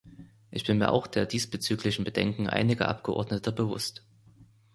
Ich bin mir auch der diesbezüglichen Bedenken einiger Abgeordneter bewusst.